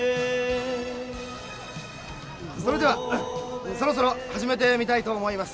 それではそろそろ始めてみたいと思います。